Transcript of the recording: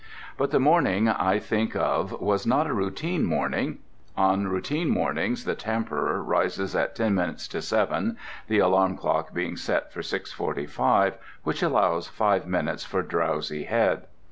But the morning I think of was not a routine morning. On routine mornings the Tamperer rises at ten minutes to seven, the alarm clock being set for 6:45: which allows five minutes for drowsy head.